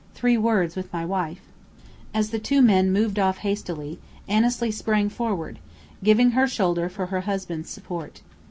Three words with my wife." As the two men moved off hastily, Annesley sprang forward, giving her shoulder for her husband's support.